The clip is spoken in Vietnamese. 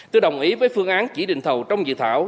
tôi đồng ý với phương án chỉ định thầu trong dự thảo